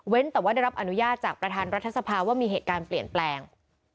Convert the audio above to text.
แต่ว่าได้รับอนุญาตจากประธานรัฐสภาว่ามีเหตุการณ์เปลี่ยนแปลง